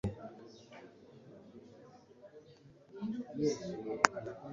hafi ya yose yirengagiza inama zanjye.